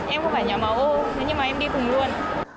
em không phải nhóm máu o nhưng mà em đi cùng luôn